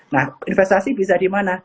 nah investasi bisa di mana